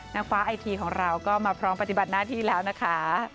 นางฟ้าไอทีของเราก็มาพร้อมปฏิบัติหน้าที่แล้วนะคะ